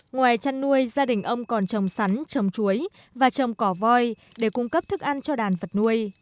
ngoài chăn nuôi gia đình ông còn trồng sắn trồng chuối và trồng cỏ voi để cung cấp thức ăn cho đàn vật nuôi